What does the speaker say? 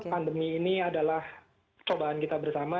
pandemi ini adalah cobaan kita bersama